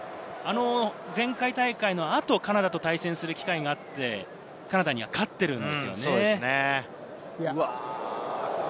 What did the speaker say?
前回大会の後、カナダと対戦する機会があって、カナダには勝っているんですよね。